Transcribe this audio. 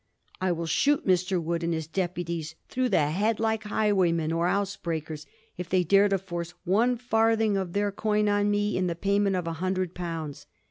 'I will shoot Mr. Wood and his deputies through the head, like highway men or house breakers, if they dare to force one farthing of their coin on me in the payment of an hundred pounds.